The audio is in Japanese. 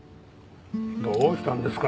どうしたんですか？